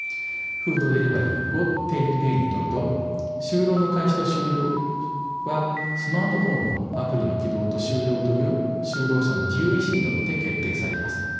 フードデリバリーを例に取ると就労の開始と終了はスマートフォンのアプリの起動と終了という就労者の自由意思によって決定されます。